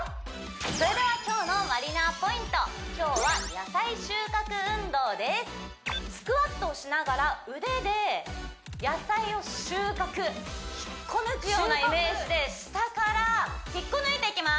それではスクワットをしながら腕で野菜を収穫引っこ抜くようなイメージで下から引っこ抜いていきます